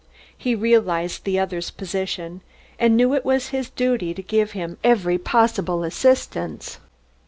He realised the other's position and knew it was his duty to give him every possible assistance.